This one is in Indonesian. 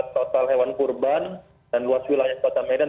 total hewan kurban dan luas wilayah kota medan